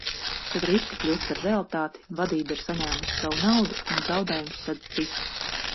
Kad riski kļūst par realitāti, vadība ir saņēmusi savu naudu, un zaudējumus sedz citi.